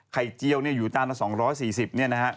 ไข่เจียวอยู่จานละ๒๔๐บาท